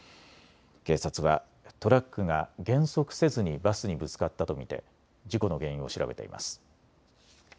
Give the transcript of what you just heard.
警察はトラックが減速せずにバスにぶつかったと見て事故の原因を調べています。